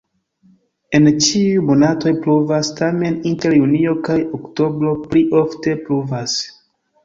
En ĉiuj monatoj pluvas, tamen inter junio kaj oktobro pli ofte pluvas.